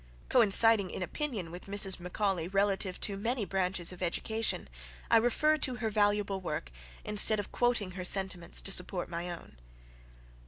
* (*Footnote. Coinciding in opinion with Mrs. Macaulay relative to many branches of education, I refer to her valuable work, instead of quoting her sentiments to support my own.)